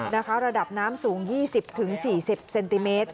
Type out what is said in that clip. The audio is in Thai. ระดับน้ำสูง๒๐๔๐เซนติเมตร